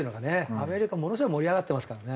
アメリカものすごい盛り上がってますからね。